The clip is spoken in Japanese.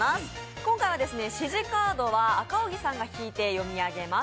今回は指示カードは赤荻さんが引いて読み上げます。